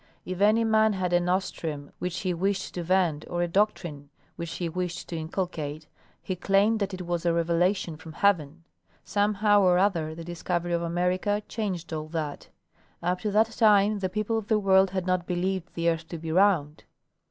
'If any man had a nostrum which he wished to vend or a doctrine which he wished to inculcate, he claimed that it was a revelation from heaven. Somehow or other the discovery of America changed all that. Up to that time the people of the world had not believed the earth to be round.